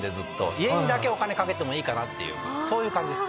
家にだけお金かけてもいいかなって感じです。